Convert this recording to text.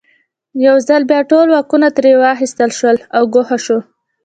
یو ځل بیا ټول واکونه ترې واخیستل شول او ګوښه شو.